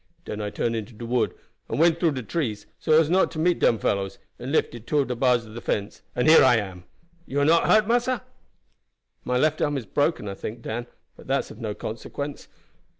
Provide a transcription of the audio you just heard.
Den I turn into de wood and went through de trees, so as not to meet dem fellows, and lifted two of de bars of the fence, and here I am. You are not hurt, massa?" "My left arm is broken, I think, Dan; but that is of no consequence.